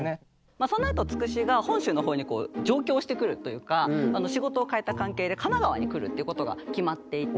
まあそのあとつくしが本州の方に上京してくるというか仕事をかえた関係で神奈川に来るっていうことが決まっていて。